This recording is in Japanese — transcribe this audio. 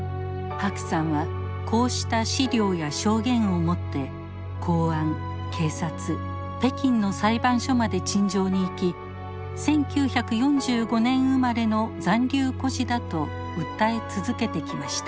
白さんはこうした資料や証言を持って公安警察北京の裁判所まで陳情に行き１９４５年生まれの残留孤児だと訴え続けてきました。